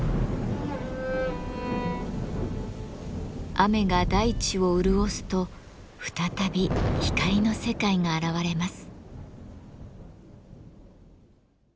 雨が大地を潤すと再び光の世界が現れます。